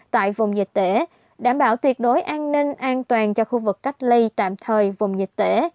tại vùng dịch tễ đảm bảo tuyệt đối an ninh an toàn cho khu vực cách ly tạm thời vùng dịch tễ